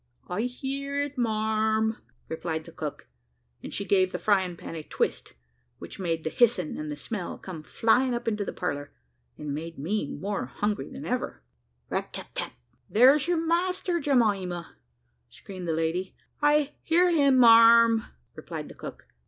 "I hear it, marm," replied the cook; and she gave the frying pan a twist, which made the hissing and the smell come flying up into the parlour, and made me more hungry than ever. Rap, tap, tap! "There's your master, Jemima," screamed the lady. "I hear him, marm," replied the cook.